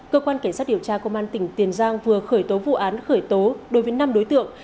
cơ quan cảnh sát điều tra công an tỉnh tiền giang vừa khởi tố vụ án khởi tố đối với năm đối tượng